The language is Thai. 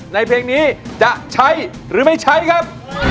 เพลงนี้จะใช้หรือไม่ใช้ครับ